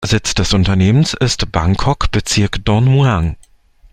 Sitz des Unternehmens ist Bangkok, Bezirk Don Mueang.